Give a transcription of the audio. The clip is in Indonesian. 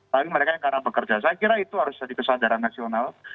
saya kira itu harus jadi kesadaran nasional